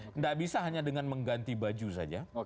tidak bisa hanya dengan mengganti baju saja